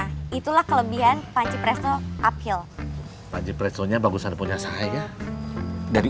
secara sempurna itulah kelebihan panci presto uphill panci presonya bagus ada punya saya dari